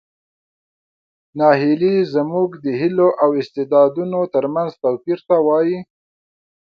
ناهیلي زموږ د هیلو او استعدادونو ترمنځ توپیر ته وایي.